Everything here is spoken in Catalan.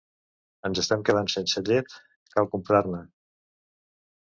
Ens estem quedant sense llet: cal comprar-ne m